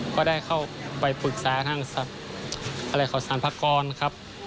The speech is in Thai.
ก็ได้เข้าไปปรึกษาทางสรรพากรครับ